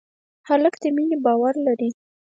هلک د مینې باور لري.